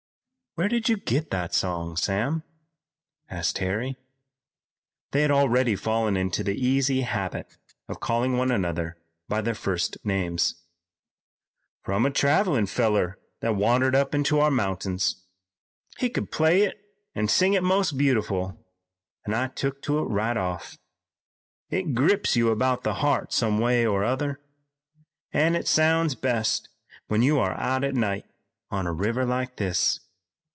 "Where did you get that song, Sam?" asked Harry they had already fallen into the easy habit of calling one another by their first names. "From a travelin' feller that wandered up into our mount'ins. He could play it an' sing it most beautiful, an' I took to it right off. It grips you about the heart some way or other, an' it sounds best when you are out at night on a river like this.